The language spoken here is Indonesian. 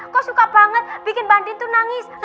kok suka banget bikin bandin nangis